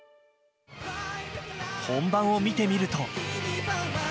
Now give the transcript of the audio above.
本番を見てみると。